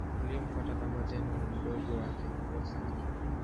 Aliyemfuata kama Tenno ni mdogo wake, Go-Sanjo.